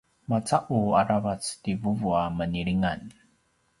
maca’u aravac ti vuvu a menilingan